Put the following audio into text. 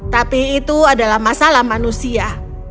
tapi itu adalah masalah manusia